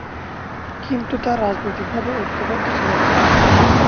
কিন্তু তা রাজনৈতিকভাবে ঐক্যবদ্ধ ছিল না।